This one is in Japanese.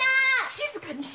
静かに！